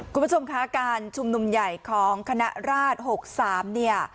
คุณผู้ชมคะการชุมนุมใหญ่ของคณะราช๖๓เนี่ย